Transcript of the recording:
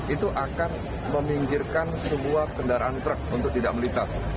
itu akan meminggirkan sebuah kendaraan truk untuk tidak melintas